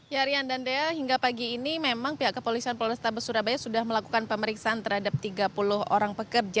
ya rian dan dea hingga pagi ini memang pihak kepolisian polrestabes surabaya sudah melakukan pemeriksaan terhadap tiga puluh orang pekerja